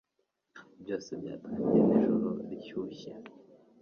Byose byatangiye nijoro rishyushye.